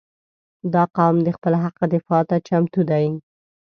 • دا قوم د خپل حق دفاع ته چمتو دی.